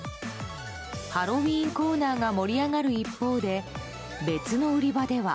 ハロウィーンコーナーが盛り上がる一方で別の売り場では。